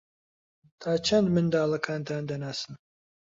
تا چەند منداڵەکانتان دەناسن؟